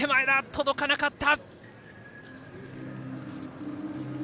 届かなかった。